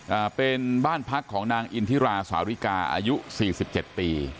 อ่าเป็นบ้านพักของนางอินทิราสาวิกาอายุสี่สิบเจ็ดปี